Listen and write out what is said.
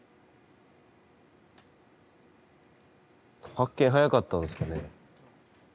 発見早かったんですかね？